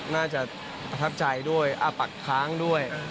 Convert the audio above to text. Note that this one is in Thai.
น่าจะประทับใจด้วยอ้าปากค้างด้วย